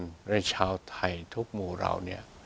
พุทธศาสตร์กรณิกชนในชาวไทยทุกหมู่เรา